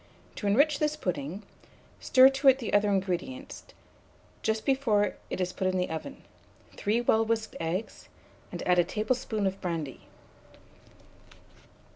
To enrich this pudding, stir to the other ingredients, just before it is put in the oven, 3 well whisked eggs, and add a tablespoonful of brandy.